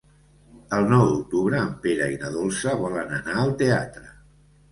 El nou d'octubre en Pere i na Dolça volen anar al teatre.